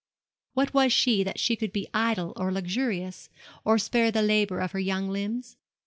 What was she that she should be idle or luxurious, or spare the labour of her young limbs?